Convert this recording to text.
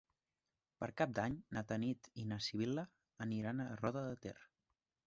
Per Cap d'Any na Tanit i na Sibil·la aniran a Roda de Ter.